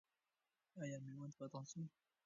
آیا میوند فتح سو؟